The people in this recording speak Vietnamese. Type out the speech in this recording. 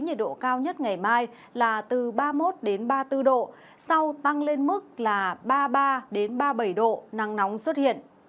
nhiệt độ cao nhất ngày mai là từ ba mươi một ba mươi bốn độ sau tăng lên mức là ba mươi ba ba mươi bảy độ nắng nóng xuất hiện